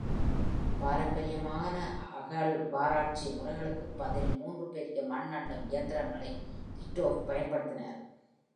பாரம்பரியமான அகழ்வாராய்ச்சி முறைகளுக்குப் பதில், மூன்று பெரிய மண் அள்ளும் இயந்திரங்களை Kitov பயன்படுத்தினார்.